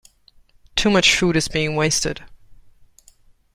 Too much food is being wasted.